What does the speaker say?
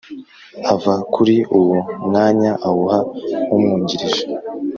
ava kuri uwo mwanya awuha umwungirije